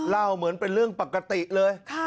เหมือนเป็นเรื่องปกติเลย